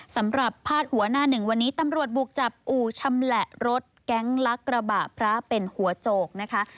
พาดหัวหน้าหนึ่งวันนี้ตำรวจบุกจับอู่ชำแหละรถแก๊งลักกระบะพระเป็นหัวโจกนะคะ